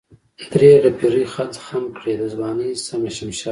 درېغه پيرۍ خم کړې دَځوانۍ سمه شمشاده